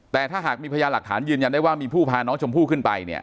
แต่ถ้าหากมีพยานหลักฐานยืนยันได้ว่ามีผู้พาน้องชมพู่ขึ้นไปเนี่ย